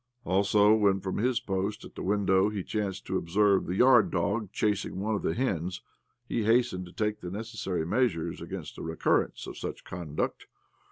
Also, when, from his post at the window, he chanced to observe the yard dog chasing one of the hens he hastened to take the necessary measures against a recurrence of such conduct.